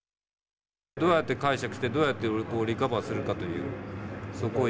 どうやって解釈してどうやってリカバーするかというそこを今。